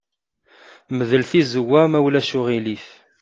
Mdel tizewwa, ma ulac aɣilif.